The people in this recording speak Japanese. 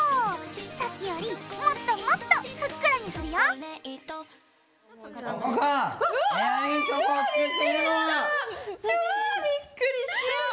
さっきよりもっともっとふっくらにするよわっ！わびっくりした！